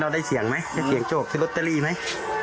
ได้เสียงโจทย์รอตเตอรี่ไหม